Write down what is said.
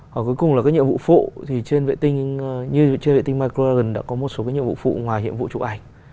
và cuối cùng là cái nhiệm vụ phụ thì trên vệ tinh như trên vệ tinh microgen đã có một số cái nhiệm vụ phụ ngoài nhiệm vụ chụp ảnh